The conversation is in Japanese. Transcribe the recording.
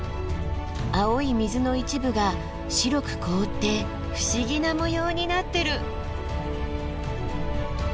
青い水の一部が白く凍って不思議な模様になってる。